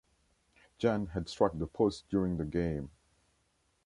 Jan had struck the post during the game.